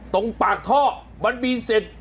ตรงปากท่อมันมีเสร็จ